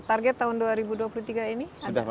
target tahun dua ribu dua puluh tiga ini